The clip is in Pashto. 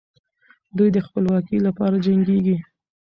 دوی د خپلواکۍ لپاره جنګېږي.